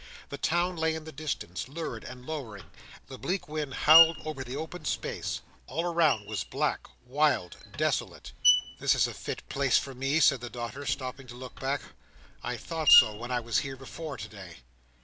The town lay in the distance, lurid and lowering; the bleak wind howled over the open space; all around was black, wild, desolate. "This is a fit place for me!" said the daughter, stopping to look back. "I thought so, when I was here before, today."